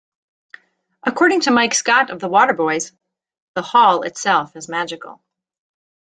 According to Mike Scott of the Waterboys: The Hall itself is magical.